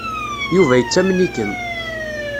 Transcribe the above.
Yuba yettamen-ikem.